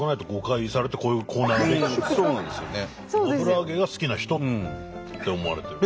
油揚げが好きな人って思われてる。